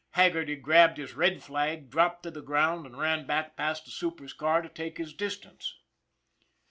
Haggerty grabbed his red flag, dropped to the ground, and ran back past the super's car to take his distance.